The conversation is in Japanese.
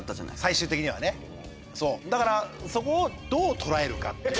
だからそこをどう捉えるかっていう。